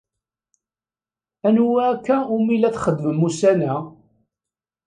Anwa akka umi la txeddmem ussan-a?